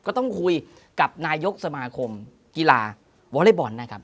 ก็ต้องคุยกับนายกสมาคมกีฬาวอเล็กบอลนะครับ